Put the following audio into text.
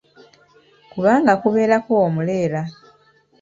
Kubanga kubeerako omuleera.